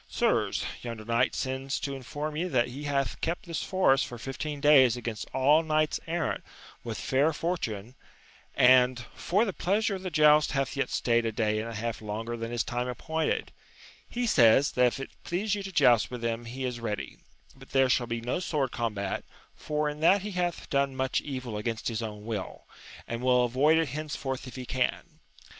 — Sirs, yonder knight sends to inform ye that he hath kept this forest for fifteen days against all knights errant with fair for tune, and for the pleasure of the joust hath yet &t&^e>d. a day and a half longer tlxaa \^ \)m<^ ^Y&^\s^^a^S V^ 218 AMADIS OF GAUL. says, that if it please you to joust with him he is ready, but there shall be no sword combat, for in that he hath done much evil against his own will, and will avoid it henceforth if he can.